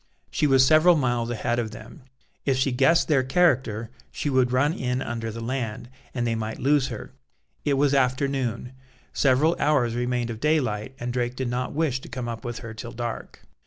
She was several miles ahead of them; if she guessed their character, she would run in under the land, and they might lose her. It was afternoon: several hours remained of daylight, and Drake did not wish to come up with her till dark.